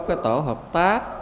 cái tổ hợp tác